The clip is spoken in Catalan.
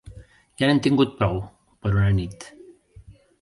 Ja n'hem tingut prou, per una nit.